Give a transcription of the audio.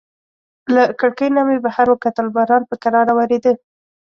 له کړکۍ نه مې بهر وکتل، باران په کراره وریده.